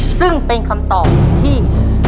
ซึ่งเป็นคำตอบที่